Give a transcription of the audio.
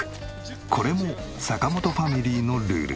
これも坂本ファミリーのルール。